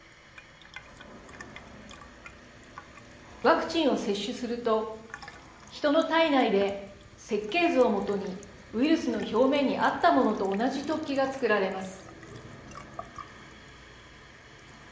ワクチンを接種すると人の体内で設計図を基にウイルスの表面にあったものと同じ突起が作られます。